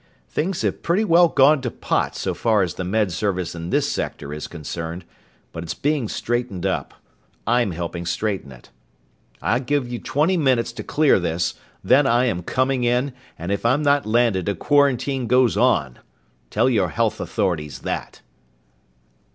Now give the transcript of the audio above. Things have pretty well gone to pot so far as the Med Service in this sector is concerned, but it's being straightened up. I'm helping straighten it! I give you twenty minutes to clear this! Then I am coming in, and if I'm not landed a quarantine goes on! Tell your health authorities that!"